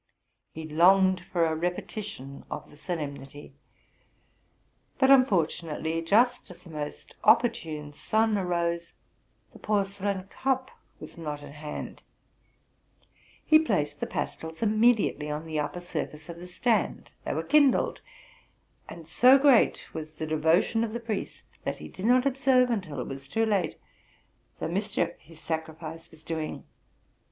He longed for a repetition of the solemnity. But unfortunately, just as the most opportune sun arose, the porcelain cup was not at hand: he placed the pas tils immediately on the upper surface of the stand; they were kindled ; and so great was the devotion of the priest, that he did not observe, until it was too late, the mischief his sacrifice was doing.